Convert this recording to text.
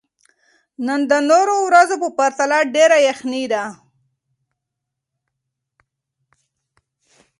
نن د نورو ورځو په پرتله ډېره یخني ده.